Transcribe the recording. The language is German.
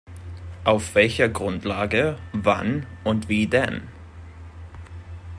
Auf welcher Grundlage, wann und wie denn?